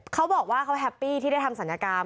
เขาบอกว่าเขาแฮปปี้ที่ได้ทำศัลยกรรม